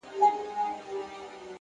زغم د بریا اوږده لاره لنډوي!.